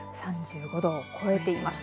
３５度を超えています。